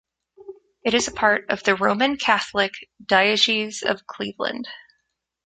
It is a part of the Roman Catholic Diocese of Cleveland.